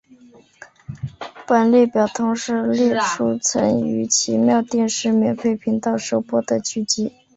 本列表同时列出曾于奇妙电视免费频道首播的剧集。